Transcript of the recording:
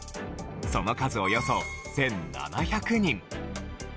その数およそ１７００人。